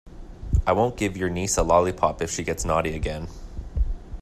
I won't give your niece a lollipop if she gets naughty again.